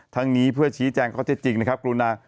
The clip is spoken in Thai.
ทั้งนี้เพื่อชี้แจ้งก็จะจริงนะครับครูนา